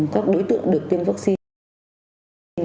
các đối tượng được tiêm vaccine